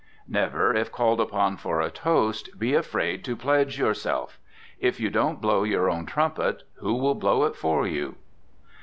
Never, if called upon for a toast, be afraid to pledge yourself. It you don't blow your own trumpet, who will blow it for you?